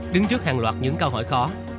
đứng trước hàng loạt những câu hỏi khó